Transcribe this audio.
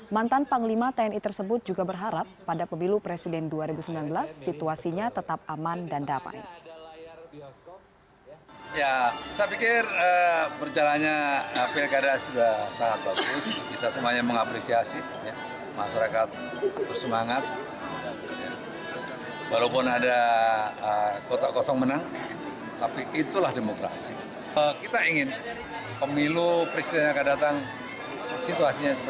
mantan panglima tni tersebut juga berharap pada pemilu presiden dua ribu sembilan belas situasinya tetap aman dan damai